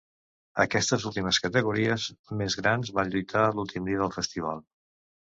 Aquestes últimes categories més grans van lluitar l'últim dia del Festival.